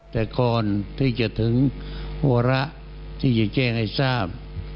แต่ก่อนที่จะถึงวาระที่จะแจ้งให้ทราบ